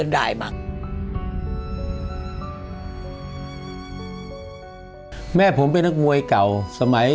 จะรักลูกครับ